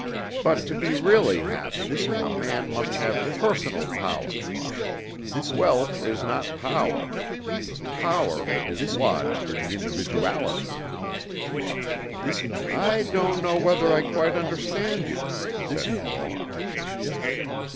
But to be really happy, a man must have personal power. Wealth is not power. Power is lodged in the individuality." "I don't know whether I quite understand you," said Paul.